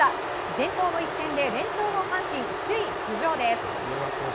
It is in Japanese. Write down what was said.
伝統の一戦で連勝の阪神、首位浮上です。